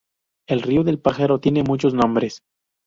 El río del Pájaro tiene muchos nombres.